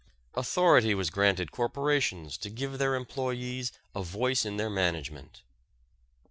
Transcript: Authority was granted corporations to give their employees a voice in their management.